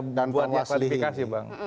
jadi panwaslu dan panwasli ini